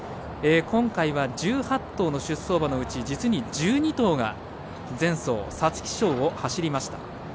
今回は１８頭の出走馬のうち実に１２頭が前走、皐月賞を走りました。